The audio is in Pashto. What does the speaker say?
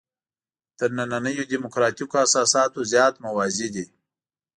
تر نننیو دیموکراتیکو اساساتو زیات موازي دي.